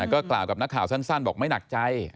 ก็กล่าวกับนักข่าวสั้นบอกไม่หนักใจ